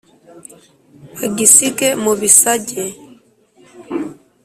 bagisige mu bisage